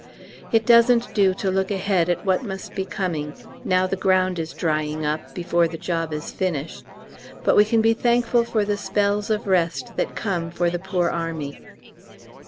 It doesn't do to look ahead at what must be coming, now the ground is drying up before the job is finished; but we can be thankful for the spells of rest that come for the poor army.